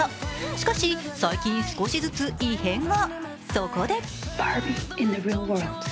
しかし最近、少しずつ異変が。